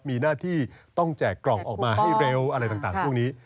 มีหน้าที่ต้องแจกกล่องออกมาให้เร็วอะไรต่างพวกนี้